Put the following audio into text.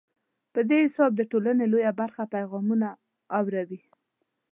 په دې حساب د ټولنې لویه برخه پیغامونه اوري.